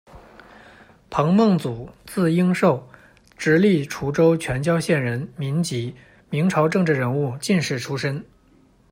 彭梦祖，字应寿，直隶滁州全椒县人，民籍，明朝政治人物、进士出身。